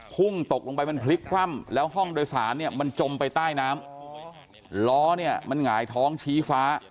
พุ่งตกลงไปมันพลิกคว่ำแล้วห้องโดยสารเนี่ยมันจมไปใต้น้ำล้อเนี่ยมันหงายท้องชี้ฟ้า